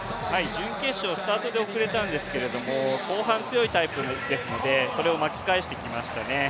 準決勝スタートで遅れたんですけれども、後半強いタイプですのでそれを巻き返してきましたね。